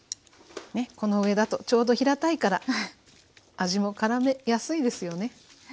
この上だとちょうど平たいから味もからめやすいですよね。